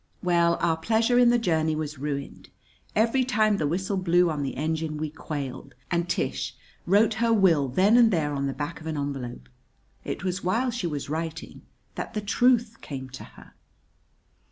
Well, our pleasure in the journey was ruined. Every time the whistle blew on the engine we quailed, and Tish wrote her will then and there on the back of an envelope. It was while she was writing that the truth came to her.